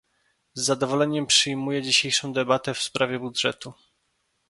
Z zadowoleniem przyjmuję dzisiejszą debatę w sprawie budżetu